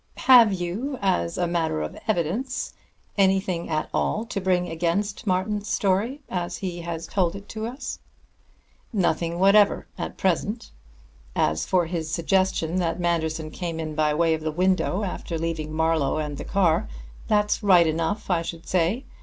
Have you, as a matter of evidence, anything at all to bring against Martin's story as he has told it to us?" "Nothing whatever at present. As for his suggestion that Manderson came in by way of the window after leaving Marlowe and the car, that's right enough, I should say.